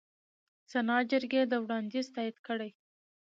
سنا جرګې دا وړاندیز تایید کړ.